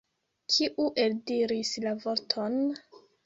Kiu eldiris la vorton?